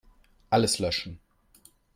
Alles löschen.